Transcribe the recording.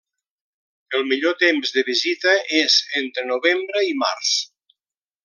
El millor temps de visita és entre novembre i març.